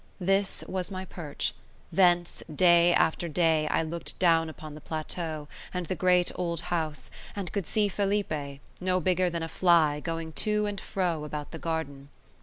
This was my perch; thence, day after day, I looked down upon the plateau, and the great old house, and could see Felipe, no bigger than a fly, going to and fro about the garden.